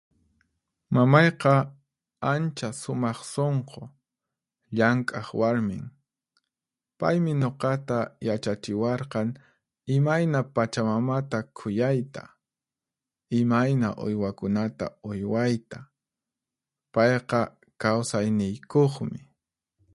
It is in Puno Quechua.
Mamayqa ancha sumaq sunqu, llank'aq warmin. Paymi nuqata yachachiwarqan imayna pachamamata khuyayta, imayna uywakunata uywayta. Payqa kawsayniykuqmi.